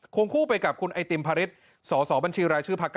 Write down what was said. คงคู่ไปกับคุณไอติมพระฤทธิ์สบรชพก